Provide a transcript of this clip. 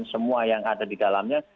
semua yang ada di dalamnya